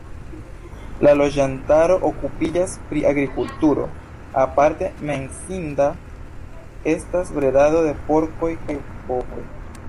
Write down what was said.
La loĝantaro okupiĝas pri agrikulturo, aparte menciinda estas bredado de porkoj kaj bovoj.